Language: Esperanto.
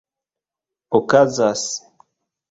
okazas